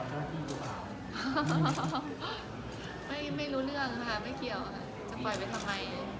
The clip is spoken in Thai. ไม่รู้เรื่องค่ะไม่เกี่ยวค่ะจะปล่อยไปทำไม